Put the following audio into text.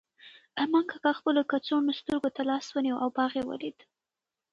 ارمان کاکا خپلو کڅوړنو سترګو ته لاس ونیو او باغ یې ولید.